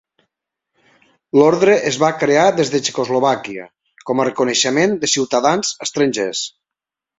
L'ordre es va crear des de Txecoslovàquia com a reconeixement de ciutadans estrangers.